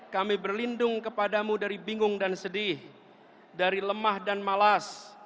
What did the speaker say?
kami berlindung kepadamu dari bingung dan sedih dari lemah dan malas